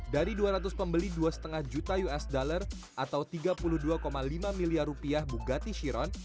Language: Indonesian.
dari dua ratus pembeli dua lima juta usd atau tiga puluh dua lima miliar rupiah bugatti chiron